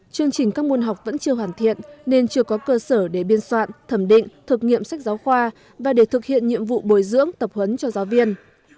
chương trình các môn học vẫn chưa hoàn thiện nên chưa có cơ sở để biên soạn thẩm định thực nghiệm sách giáo khoa và để thực hiện nhiệm vụ bồi dưỡng tập huấn cho giáo viên